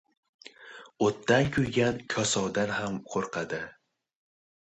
• O‘tdan kuygan kosovdan ham qo‘rqadi.